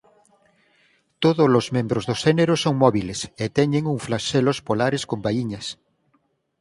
Todos os membros do xénero son móbiles e teñen un flaxelos polares con vaíñas.